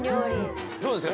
どうですか？